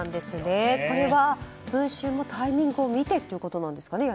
これは「文春」もタイミングを見てということですかね。